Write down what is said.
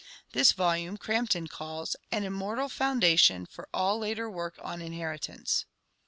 This volume Crampton calls "an immortal foundation for all later work on inheritance."